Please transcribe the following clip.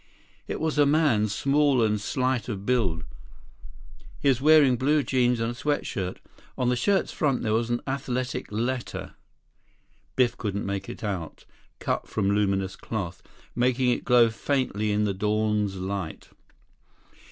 It was a man, small and slight of build. He was wearing blue jeans and a sweat shirt. On the shirt's front there was an athletic letter—Biff couldn't make it out—cut from luminous cloth, making it glow faintly in the dawn's light.